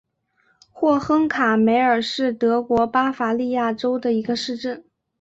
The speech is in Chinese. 霍亨卡梅尔是德国巴伐利亚州的一个市镇。